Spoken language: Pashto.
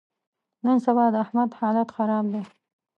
نن سبا د احمد حالت خراب دی.